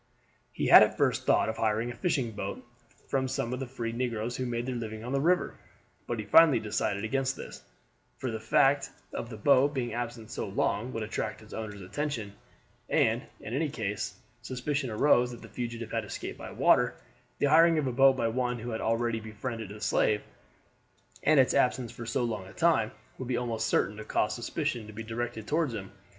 He had at first thought of hiring a fishing boat from some of the free negroes who made their living on the river. But he finally decided against this; for the fact of the boat being absent so long would attract its owner's attention, and in case any suspicion arose that the fugitive had escaped by water, the hiring of a boat by one who had already befriended the slave, and its absence for so long a time, would be almost certain to cause suspicion to be directed toward him.